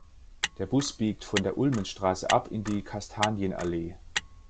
Der Bus biegt von der Ulmenstraße ab in die Kastanienallee.